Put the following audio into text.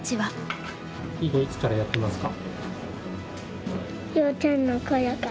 囲碁いつからやってますか？